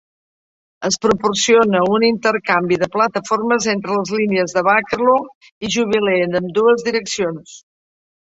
Es proporciona un intercanvi de plataformes entre les línies de Bakerloo i Jubilee en ambdues direccions.